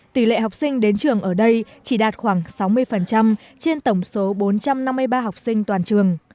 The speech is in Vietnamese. tỷ lệ học sinh đến trường ở đây chỉ đạt khoảng sáu mươi trên tổng số bốn trăm năm mươi ba học sinh toàn trường